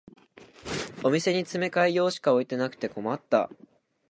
お店に詰め替え用しか置いてなくて困った